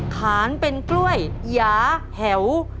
ขานเป็นกล้วยหยาแหวว